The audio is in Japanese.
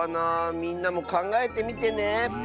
みんなもかんがえてみてね。